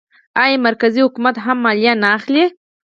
آیا مرکزي حکومت هم مالیه نه اخلي؟